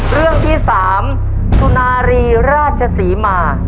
เรื่องที่สามทุนารีราชศีล